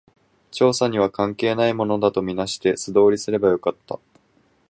調査には関係ないものだと見なして、素通りすればよかった